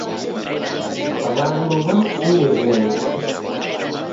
W'andu w'afue w'engi.